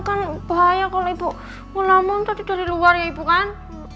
kan bahaya kalau ibu ngelamun tadi dari luar ya ibu kan